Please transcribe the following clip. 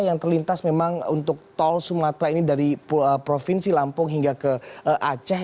yang terlintas memang untuk tol sumatera ini dari provinsi lampung hingga ke aceh